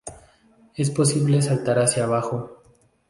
Es posible saltar hacia abajo.